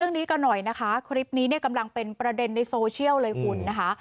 เรื่องนี้กันหน่อยนะคะคลิปนี้เนี่ยกำลังเป็นประเด็นในโซเชียลเลยคุณนะคะ